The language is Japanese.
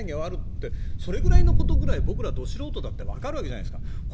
ってそれぐらいのことぐらい僕らど素人だってわかるわけじゃないですか。